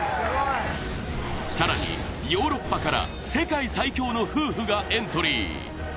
更に、ヨーロッパから世界最強の夫婦がエントリー。